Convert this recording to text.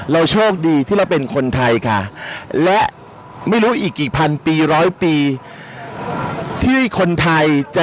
เราโชคดีที่เราเป็นคนไทยค่ะ